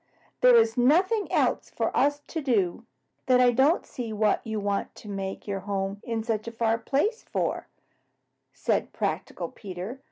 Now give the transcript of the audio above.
There is nothing else for us to do." "Then I don't see what you want to make your home in such a place for," said practical Peter.